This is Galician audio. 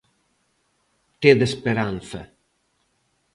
Tede esperanza.